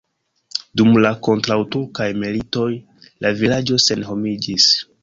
Dum la kontraŭturkaj militoj la vilaĝo senhomiĝis.